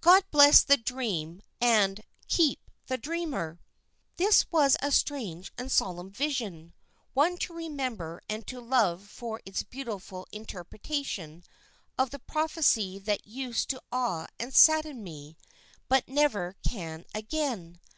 "God bless the dream and keep the dreamer!" "This was a strange and solemn vision; one to remember and to love for its beautiful interpretation of the prophecy that used to awe and sadden me, but never can again.